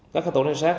các cái tổ trinh sát